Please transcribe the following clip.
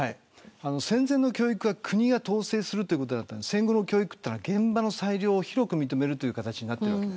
戦前の教育は国が統制するということで戦後の教育は現場の裁量を広く認める形なりました。